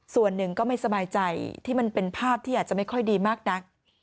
ส่วนหนึ่งก็ไม่สบายใจที่มันเป็นภาพที่อาจจะไม่ค่อยดีมากนัก